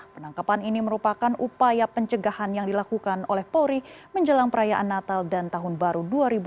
penangkapan ini merupakan upaya pencegahan yang dilakukan oleh polri menjelang perayaan natal dan tahun baru dua ribu dua puluh